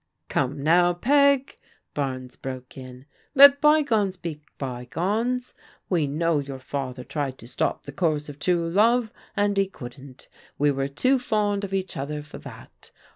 " Come now. Peg," Barnes broke in, " let bygones be bygones. We know your father tried to stop the course of true love, and he couldn't ; we were too fond of each other for that.